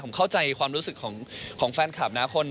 ผมเข้าใจความรู้สึกของแฟนคลับนะ